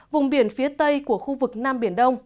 vùng biển phía tây của khu vực nam biển đông